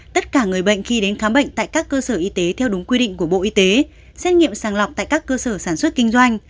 tất cả người bệnh khi đến khám bệnh tại các cơ sở y tế theo đúng quy định của bộ y tế xét nghiệm sàng lọc tại các cơ sở sản xuất kinh doanh